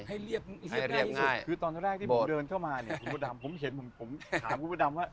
ให้เรียกง่ายที่สุดคือตอนแรกที่ผมเดินเข้ามาเนี่ยคุณพุทธธรรมผมเห็นผมถามคุณพุทธธรรมว่า